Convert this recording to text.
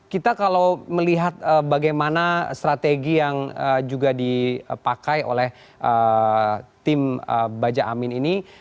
kita kalau melihat bagaimana strategi yang juga dipakai oleh tim baja amin ini